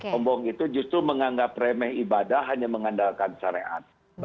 rombong itu justru menganggap remeh ibadah hanya mengandalkan syariat